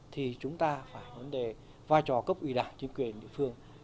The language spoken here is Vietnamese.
thì chúng ta phải vấn đề vai trò cấp ủy đảng chính quyền địa phương